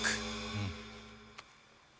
うん！